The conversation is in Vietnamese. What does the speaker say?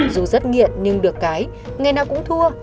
dù rất nghiện nhưng được cái ngày nào cũng thua